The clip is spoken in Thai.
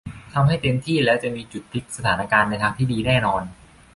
ทำให้เต็มที่แล้วจะมีจุดพลิกสถานการณ์ในทางที่ดีแน่นอน